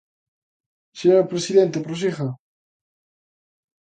Señor presidente, prosiga.